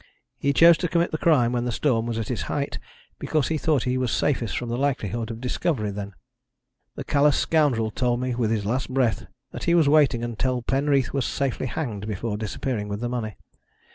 He chose to commit the crime when the storm was at its height because he thought he was safest from the likelihood of discovery then. "The callous scoundrel told me with his last breath that he was waiting until Penreath was safely hanged before disappearing with the money.